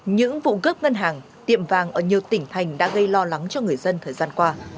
những vụ cướp ngân hàng tiệm vàng ở nhiều tỉnh thành đã gây lo lắng cho người dân thời gian qua